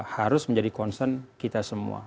harus menjadi concern kita semua